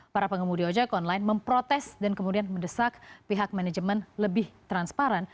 para pengemudi ojek online memprotes dan kemudian mendesak pihak manajemen lebih transparan